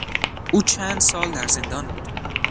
او چند سال در زندان بود.